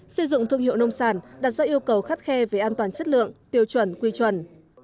xây dựng thương hiệu nông sản đặt ra yêu cầu khắt khe về an toàn chất lượng tiêu chuẩn quy chuẩn